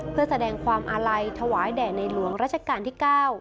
เพื่อแสดงความอาลัยถวายแด่ในหลวงราชการที่๙